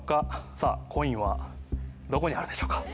さあコインはどこにあるでしょうか？